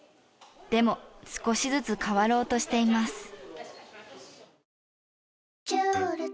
でも少しずつ変わろうとしています。